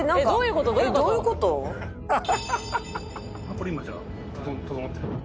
これ今じゃあととのってる？